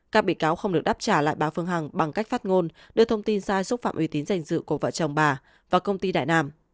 các bị cáo không được đáp trả lại bà phương hằng bằng cách phát ngôn đưa thông tin sai xúc phạm uy tín danh dự của vợ chồng bà và công ty đại nam